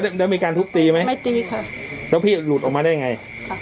เดี๋ยวมีการทุบตีไหมไม่ตีครับแล้วพี่หลุดออกมาได้ไง